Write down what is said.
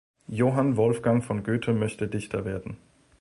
Johann Wolfgang von Goethe möchte Dichter werden.